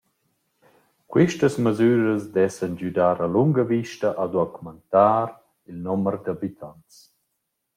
Quistas masüras dessan güdar a lunga vista ad augmantar il nomer d’abitants.